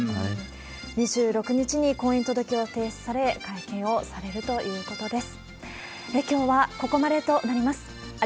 ２６日に婚姻届を提出され、会見をされるということです。